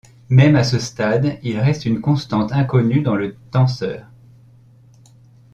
Même à ce stade il reste une constante inconnue dans le tenseur.